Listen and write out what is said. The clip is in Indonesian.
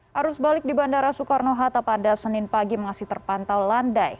harus balik di bandara soekarno hatta pada senin pagi masih terpantau landai